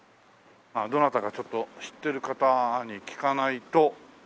どなたかちょっと知ってる方に聞かないと。